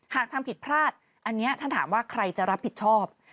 หากทำผิดพลาดอันนี้ท่านถามว่าใครจะรับผิดชอบ